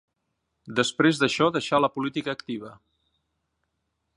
Després d'això deixà la política activa.